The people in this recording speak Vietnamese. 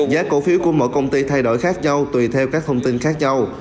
giá cổ phiếu của mỗi công ty thay đổi khác nhau tùy theo các thông tin khác nhau